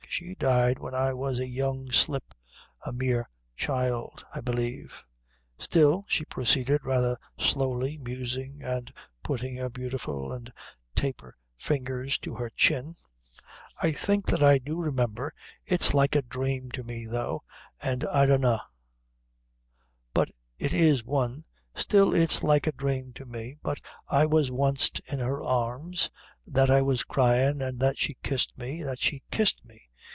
She died when I was a young slip a mere child, I believe. Still," she proceeded, rather slowly, musing and putting her beautiful and taper fingers to her chin "I think that I do remember it's like a dhrame to me though, an' I dunna but it is one still it's like a dhrame to me, that I was wanst in her arms, that I was cryin', an' that she kissed me that she kissed me!